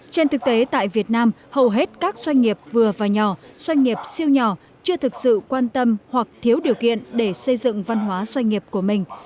trên thực tế tại việt nam hầu hết các doanh nghiệp vừa và nhỏ doanh nghiệp siêu nhỏ chưa thực sự quan tâm hoặc thiếu điều kiện để xây dựng văn hóa doanh nghiệp của mình